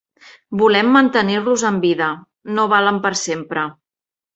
Volem mantenir-los en vida; no valen per sempre.